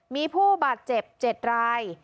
มีผู้บาดเจ็บ๗ราย